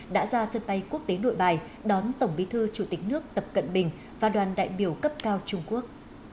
đã ra sân bay quốc tế nội bài đón tổng bí thư chủ tịch nước tập cận bình và đoàn đại biểu cấp cao trung quốc